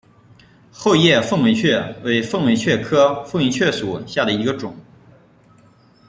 厚叶凤尾蕨为凤尾蕨科凤尾蕨属下的一个种。